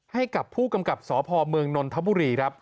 ให้กับผู้กำกับสพเมืองนนทบุรีครับ